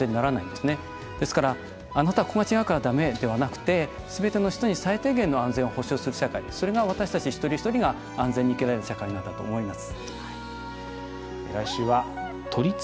ですから、あなたはここが違うからダメではなくてすべての人に最低限の安全を保障する社会、それが私たち一人一人が安全に生きられる社会なんだと思います。